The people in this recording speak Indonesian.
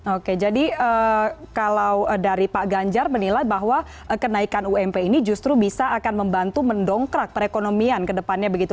oke jadi kalau dari pak ganjar menilai bahwa kenaikan ump ini justru bisa akan membantu mendongkrak perekonomian ke depannya begitu